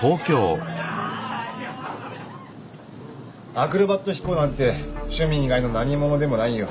アクロバット飛行なんて趣味以外のなにものでもないよ。